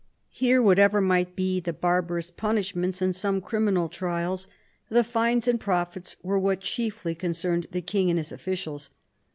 Here, whatever might be the barbarous punishments in some criminal trials, the fines and profits were what chiefly concerned the king and his officials.